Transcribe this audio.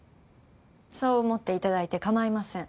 そう思っていただいて構いません。